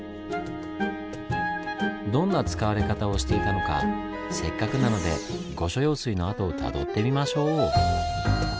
どんな使われ方をしていたのかせっかくなので御所用水の跡をたどってみましょう！